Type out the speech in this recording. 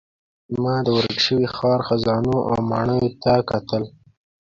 ما د ورک شوي ښار خزانو او ماڼیو ته کتل.